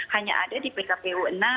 hanya ada di pkpu enam